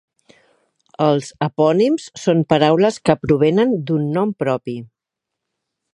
Els epònims són paraules que provenen d'un nom propi.